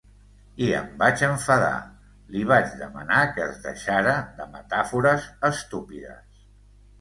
I em vaig enfadar, li vaig demanar que es deixara de metàfores estúpides.